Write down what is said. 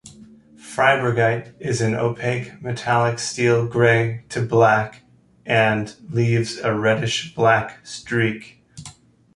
Freibergite is an opaque, metallic steel grey to black and leaves a reddish-black streak.